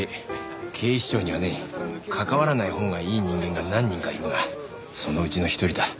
警視庁にはね関わらないほうがいい人間が何人かいるがそのうちの一人だ。